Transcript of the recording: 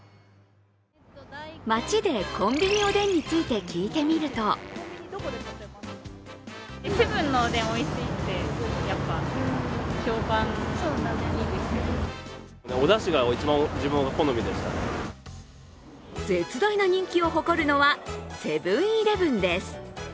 街でコンビニおでんについて聞いてみると絶大な人気を誇るのはセブン−イレブンです。